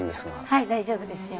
はい大丈夫ですよ。